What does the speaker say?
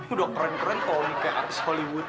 udah keren keren tony kayak artis hollywood